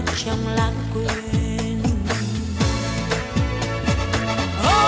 màu hoa trên mái